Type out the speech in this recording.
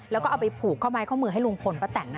แล้วก็เอาไปผูกข้าวมาร์ยเข้ามือให้ลุงพลป้าแต่นน่ะ